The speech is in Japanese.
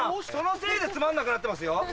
人のせいでつまんなくなってますよ。